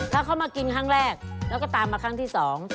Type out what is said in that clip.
ถ้าเขามากินครั้งแรกแล้วก็ตามมาครั้งที่สอง